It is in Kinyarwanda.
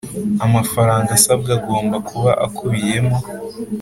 Amafaranga asabwa agomba kuba akubiyemo